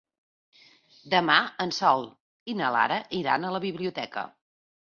Demà en Sol i na Lara iran a la biblioteca.